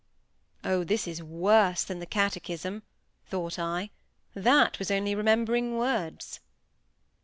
"Oh! this is worse than the catechism," thought I; "that was only remembering words."